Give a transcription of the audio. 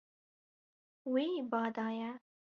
Wî ba daye.